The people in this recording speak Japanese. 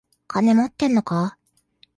金持ってんのか？